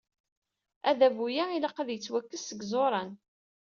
Adabu-a, ilaq ad yettwakkes seg yiẓuran.